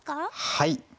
はい。